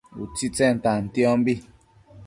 utsitsen tantiombi